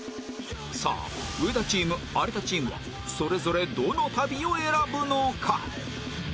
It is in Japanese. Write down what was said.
さあ上田チーム有田チームはそれぞれどの旅を選ぶのか？